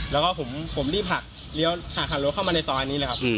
แล้วก็ผมรีบหักเลี้ยวหักรถเข้ามาในซอยนี้เลยครับ